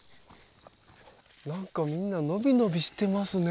なんかみんな伸び伸びしてますね。